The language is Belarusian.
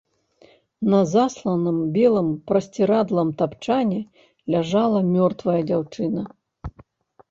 На засланым белым прасцірадлам тапчане ляжала мёртвая дзяўчына.